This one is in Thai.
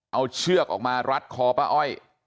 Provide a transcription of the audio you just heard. เอาเชือกออกมารัดคอป้าอ้อย